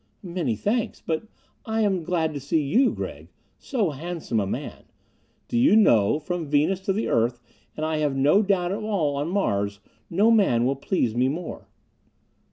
"Many thanks. But I am glad to see you, Gregg. So handsome a man.... Do you know, from Venus to the earth and I have no doubt on all of Mars, no man will please me more."